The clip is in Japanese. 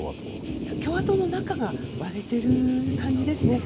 共和党の中が割れている感じですね。